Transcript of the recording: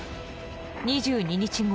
２２日後